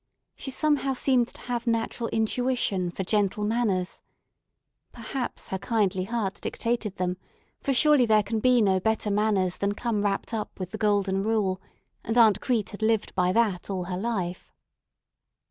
She somehow seemed to have natural intuition for gentle manners. Perhaps her kindly heart dictated them, for surely there can be no better manners than come wrapped up with the Golden Rule, and Aunt Crete had lived by that all her life.